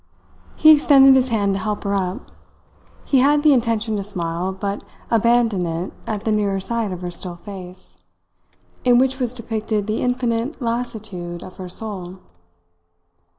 He extended his hand to help her up. He had the intention to smile, but abandoned it at the nearer sight of her still face, in which was depicted the infinite lassitude of her soul.